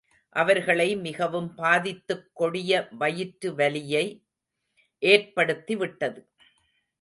அவர்களை மிகவும் பாதித்துக் கொடிய வயிற்று வலியை ஏற்படுத்தி விட்டது.